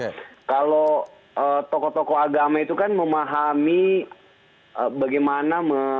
ya kalau tokoh tokoh agama itu kan memahami bagaimana